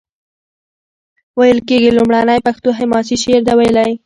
ویل کیږي لومړنی پښتو حماسي شعر ده ویلی.